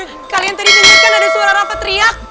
eh kalian tadi denger kan ada suara rafa teriak